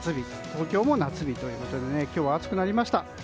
東京も夏日ということで今日は暑くなりました。